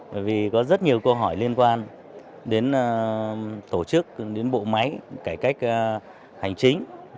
bởi vì có rất nhiều câu hỏi liên quan đến tổ chức đến bộ máy cải cách hành chính